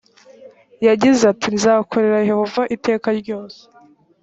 yagize ati nzakorera yehova iteka ryose